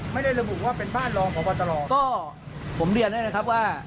ไม่ได้ระบุว่าเป็นบ้านรองพบตรก็ผมเรียนให้นะครับว่า